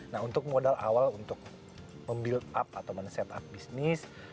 nah untuk modal awal untuk mem build up atau men set up bisnis